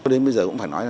nên bây giờ cũng phải nói